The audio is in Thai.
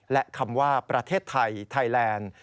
และคำว่าประเทศไทยไทยแลนด์